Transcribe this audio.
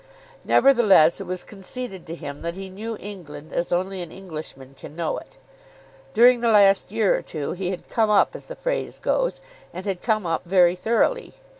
Nevertheless it was conceded to him that he knew England as only an Englishman can know it. During the last year or two he had "come up" as the phrase goes, and had come up very thoroughly.